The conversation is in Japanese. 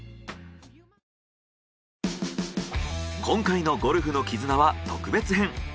今回の『ゴルフのキズナ』は特別編。